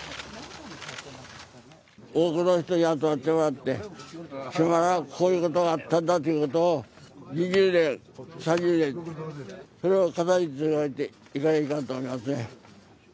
多くの人に集まってもらって、島原でこういうことがあったんだということを、２０年、３０年、それを語り継いでいかないかんと思いますね。